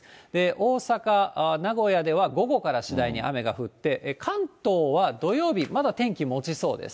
大阪、名古屋では午後から次第に雨が降って、関東は土曜日、まだ天気もちそうです。